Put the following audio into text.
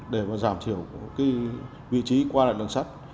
để mà giảm thiểu cái vị trí qua lại đường sắt